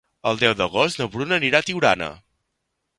El deu d'agost na Bruna anirà a Tiurana.